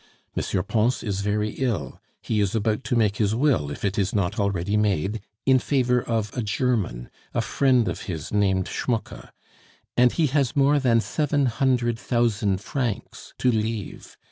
M. Pons is very ill; he is about to make his will, if it is not already made, in favor of a German, a friend of his named Schmucke; and he has more than seven hundred thousand francs to leave.